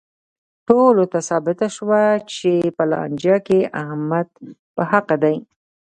ټولو ته ثابته شوه چې په لانجه کې احمد په حقه دی.